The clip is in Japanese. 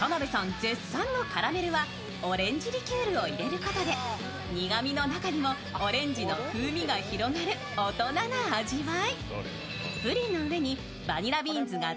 絶賛のカラメルはオレンジリキュールを入れることで苦みの中にもオレンジの風味が広がる大人な味わい。